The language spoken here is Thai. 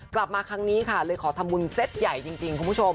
กลับมาครั้งนี้ค่ะเลยขอทำบุญเซ็ตใหญ่จริงคุณผู้ชม